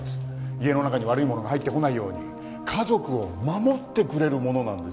家の中に悪いものが入ってこないように家族を守ってくれるものなんですよ。